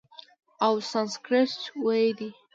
او سانسکریت ویی دی،